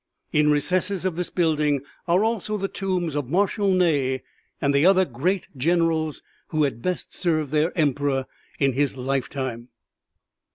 In recesses of this building are also the tombs of Marshal Ney and the other great generals who had best served their Emperor in his lifetime.